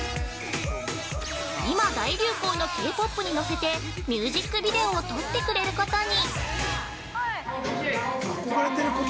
今、大流行のＫ―ＰＯＰにのせてミュージックビデオを撮ってくれることに。